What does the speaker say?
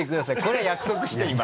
これ約束して今。